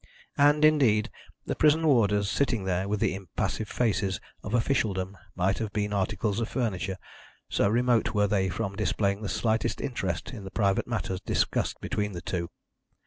And, indeed, the prison warders sitting there with the impassive faces of officialdom might have been articles of furniture, so remote were they from displaying the slightest interest in the private matters discussed between the two.